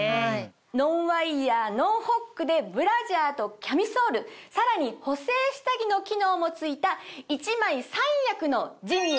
ノンワイヤーノンホックでブラジャーとキャミソールさらに補整下着の機能も付いた１枚３役の。